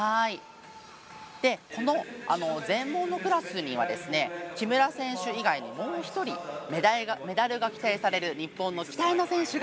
この全盲のクラスには木村選手以外にもう１人メダルが期待される日本の期待の選手がいるんです。